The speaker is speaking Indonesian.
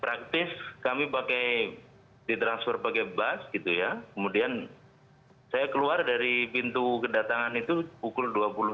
praktis kami pakai ditransfer pakai bus gitu ya kemudian saya keluar dari pintu kedatangan itu pukul dua puluh